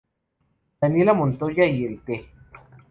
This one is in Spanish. Daniela Montoya, y el Te.